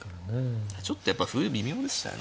ちょっとやっぱ歩微妙でしたよね。